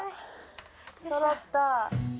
そろった。